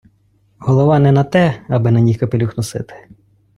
Голова не на те, аби на ній капелюх носити.